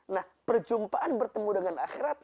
nah perjumpaan bertemu dengan akhirat